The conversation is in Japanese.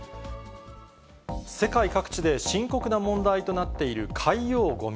世界各地で深刻な問題となっている海洋ごみ。